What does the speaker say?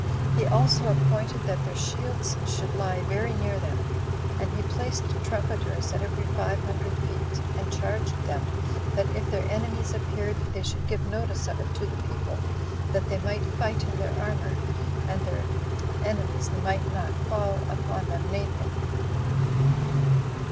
He also appointed that their shields should lie very near them; and he placed trumpeters at every five hundred feet, and charged them, that if their enemies appeared, they should give notice of it to the people, that they might fight in their armor, and their enemies might not fall upon them naked.